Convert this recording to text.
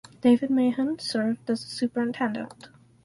David Mahon served as the superintendent.